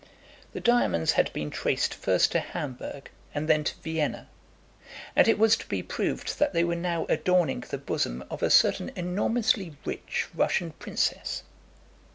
The diamonds had been traced first to Hamburg, and then to Vienna; and it was to be proved that they were now adorning the bosom of a certain enormously rich Russian princess.